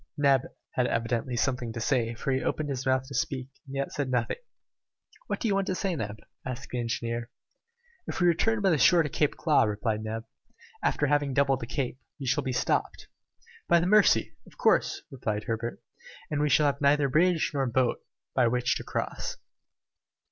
Neb had evidently something to say, for he opened his mouth to speak and yet said nothing. "What do you want to say, Neb?" asked the engineer. "If we return by the shore to Claw Cape," replied Neb, "after having doubled the Cape, we shall be stopped " "By the Mercy! of course," replied Herbert, "and we shall have neither bridge nor boat by which to cross."